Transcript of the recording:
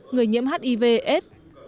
người nhiễm hiv s